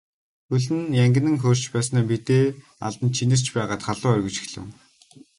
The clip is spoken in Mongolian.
Хөл нь янгинан хөрч байснаа мэдээ алдан чинэрч байгаад халуу оргиж эхлэв.